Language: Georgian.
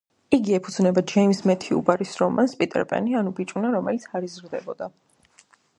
იგი ეფუძნება ჯეიმზ მეთიუ ბარის რომანს „პიტერ პენი, ანუ ბიჭუნა, რომელიც არ იზრდებოდა“.